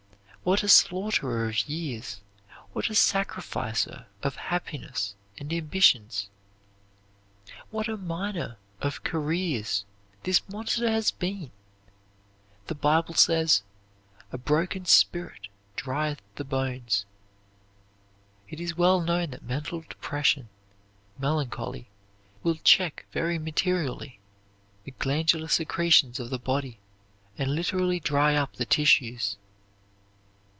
What a slaughterer of years, what a sacrificer of happiness and ambitions, what a miner of careers this monster has been! The Bible says, "A broken spirit drieth the bones." It is well known that mental depression melancholy will check very materially the glandular secretions of the body and literally dry up the tissues.